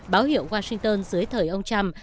báo hiệu washington dưới thời ông trump